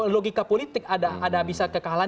logika politik ada bisa kekalahan